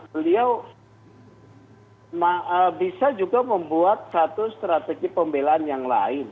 beliau bisa juga membuat satu strategi pembelaan yang lain